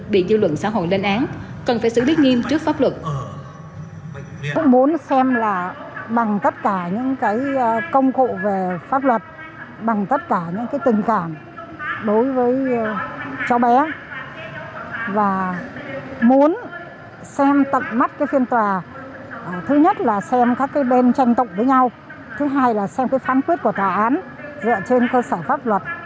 bị dư luận xã hội lên án cần phải xử biết nghiêm trước pháp luật